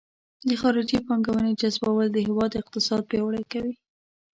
د خارجي پانګونې جذبول د هیواد اقتصاد پیاوړی کوي.